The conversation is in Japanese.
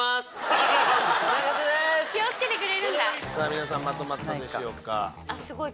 皆さんまとまったでしょうか？